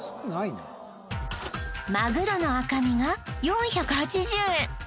まぐろの赤身が４８０円